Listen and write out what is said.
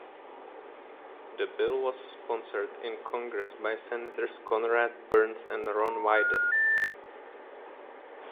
The bill was sponsored in Congress by Senators Conrad Burns and Ron Wyden.